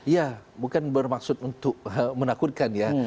ya bukan bermaksud untuk menakutkan ya